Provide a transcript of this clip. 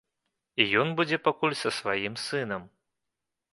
І ён будзе пакуль са сваім сынам.